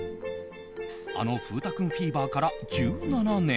あの風太君フィーバーから１７年。